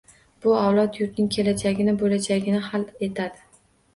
Bu avlod yurtning kelajagini, bo‘lajagini hal etadi